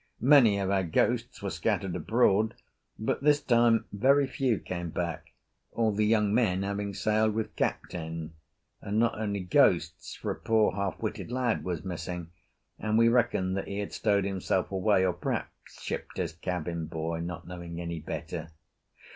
Many of our ghosts were scattered abroad, but this time very few came back, all the young men having sailed with Captain; and not only ghosts, for a poor half witted lad was missing, and we reckoned that he had stowed himself away or perhaps shipped as cabin boy, not knowing any better.